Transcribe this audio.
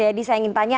jadi saya ingin tanya